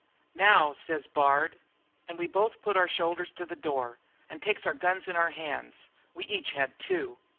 "'Now,' says Bard, and we put our shoulders to the door, and takes our guns in our hands we each had two.